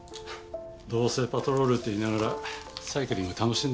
どうせパトロールって言いながらサイクリング楽しんでんだ。